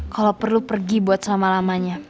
kalau perlu pergi buat selama lamanya